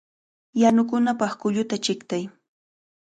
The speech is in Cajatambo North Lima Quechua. ¡Yanukunapaq kulluta chiqtay!